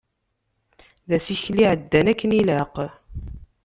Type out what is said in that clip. D asikel iεeddan akken ilaq.